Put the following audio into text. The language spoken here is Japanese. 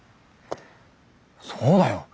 そうだよ。